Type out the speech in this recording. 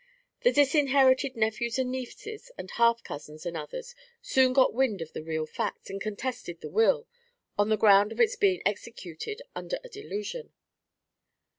The disinherited nephews and nieces, the half cousins and others, soon got wind of the real facts, and contested the will, on the ground of its being executed under a delusion.